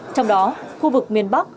trong đó khu vực miền bắc